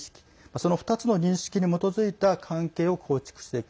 その２つの認識に基づいた関係を構築していく。